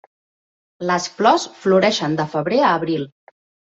Les flors floreixen de febrer a abril.